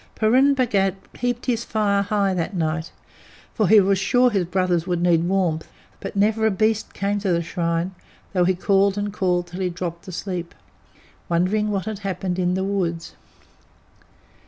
Purun Bhagat heaped his fire high that night, for he was sure his brothers would need warmth; but never a beast came to the shrine, though he called and called till he dropped asleep, wondering what had happened in the woods.